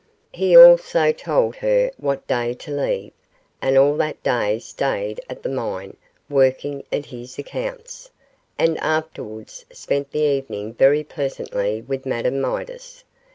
He also told her what day to leave, and all that day stayed at the mine working at his accounts, and afterwards spent the evening very pleasantly with Madame Midas.